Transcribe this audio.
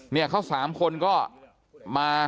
เนี่ยเขา๓คนก็มา